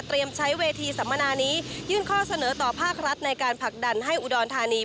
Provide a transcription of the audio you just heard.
ใช้เวทีสัมมนานี้ยื่นข้อเสนอต่อภาครัฐในการผลักดันให้อุดรธานี